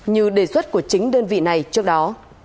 như đề xuất của chính đơn vị này trước đó